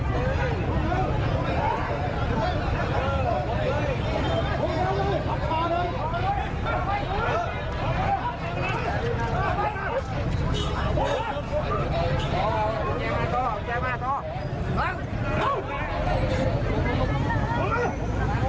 ดนตรีแค่พูดดอยากมากน้อยแต่ไหนทางกรอบส้ายก็เอาล่ะ